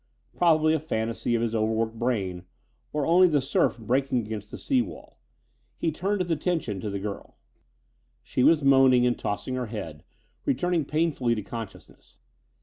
Probably a fantasy of his overworked brain, or only the surf breaking against the sea wall. He turned his attention to the girl. She was moaning and tossing her head, returning painfully to consciousness.